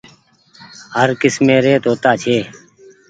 هر ڪسمي ري توتآ ڇي۔